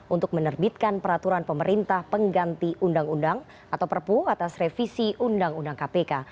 untuk menerbitkan peraturan pemerintah pengganti undang undang atau perpu atas revisi undang undang kpk